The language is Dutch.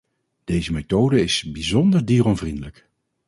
Deze methode is bijzonder dieronvriendelijk.